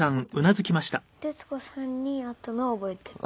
徹子さんに会ったのは覚えてる。